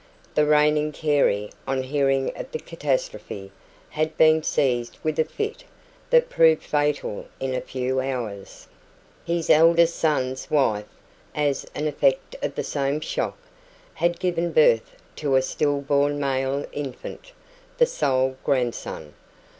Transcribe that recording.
The reigning Carey, on hearing of the catastrophe, had been seized with a fit that proved fatal in a few hours. His eldest son's wife, as an effect of the same shock, had given birth to a still born male infant the sole grandson.